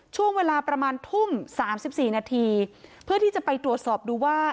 ช่วงเวลาประมาณทุ่มสามสิบสี่นาทีเพื่อที่จะไปตรวจสอบดูว่า